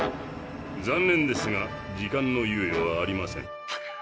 残念ですが時間のゆうよはありません。